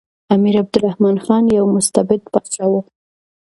امیر عبدالرحمن خان یو مستبد پاچا و.